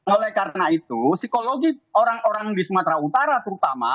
oleh karena itu psikologi orang orang di sumatera utara terutama